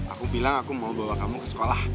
aku bilang aku mau bawa kamu ke sekolah